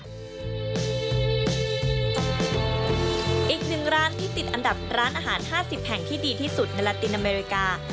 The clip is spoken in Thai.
อีกหนึ่งร้านที่ติดอันดับร้านอาหาร๕๐แห่งที่ดีที่สุดในลาตินอเมริกา